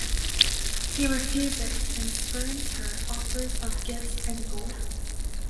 He refuses and spurns her offers of gifts and gold.